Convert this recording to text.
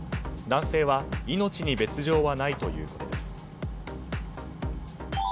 男性は命に別条はないということです。